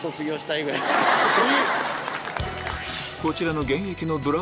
こちらの誰？